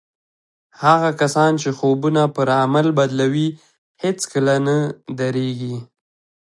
هغه کسان چې خوبونه پر عمل بدلوي هېڅکله نه درېږي.